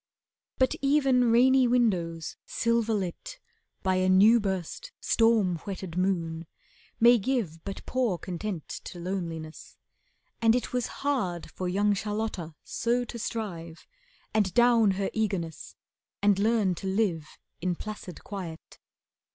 But even rainy windows, silver lit By a new burst, storm whetted moon, may give But poor content to loneliness, and it Was hard for young Charlotta so to strive And down her eagerness and learn to live In placid quiet.